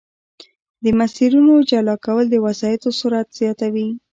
د مسیرونو جلا کول د وسایطو سرعت زیاتوي